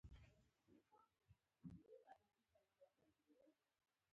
دا د ټولنې د شخصیت نشتوالی دی.